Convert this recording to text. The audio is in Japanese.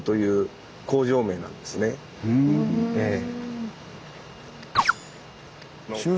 ええ。